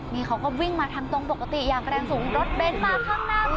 นี่เขาก็วิ่งมาทางตรงปกติอย่างแรงสูงรถเบ้นมาข้างหน้า